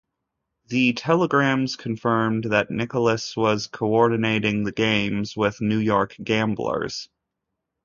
The telegrams confirmed that Nichols was coordinating the games with New York gamblers.